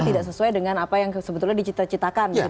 tidak sesuai dengan apa yang sebetulnya dicita citakan